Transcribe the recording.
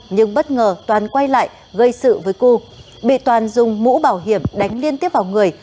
nhưng bất ngờ toàn quay lại gây sự với cư bị toàn dùng mũ bảo hiểm đánh liên tiếp vào người